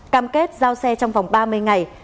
cam kết giao xe trong vòng ba mươi ngày